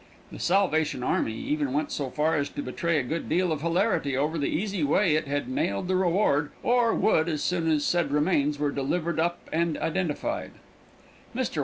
The Salvation army even went so far as to betray a good deal of hilarity over the easy way it had nailed the reward or would as soon as said remains were delivered up and identified. Mr.